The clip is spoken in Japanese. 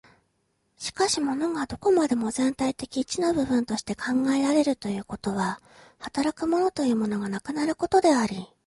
しかし物がどこまでも全体的一の部分として考えられるということは、働く物というものがなくなることであり、